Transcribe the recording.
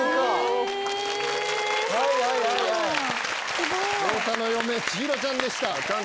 すごい！太田の嫁千尋ちゃんでした。